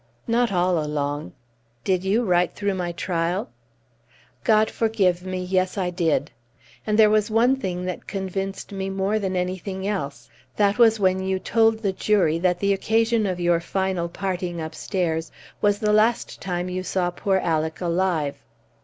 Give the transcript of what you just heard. "Not all along." "Did you right through my trial?" "God forgive me yes, I did! And there was one thing that convinced me more than anything else; that was when you told the jury that the occasion of your final parting upstairs was the last time you saw poor Alec alive."